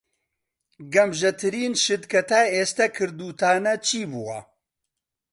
گەمژەترین شت کە تا ئێستا کردووتانە چی بووە؟